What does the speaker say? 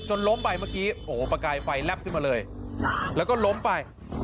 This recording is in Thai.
ล้มไปเมื่อกี้โอ้โหประกายไฟแลบขึ้นมาเลยแล้วก็ล้มไป